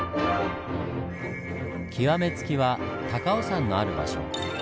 極めつきは高尾山のある場所。